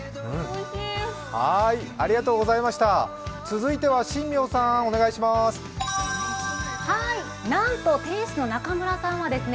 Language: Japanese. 続いては新名さん、お願いします。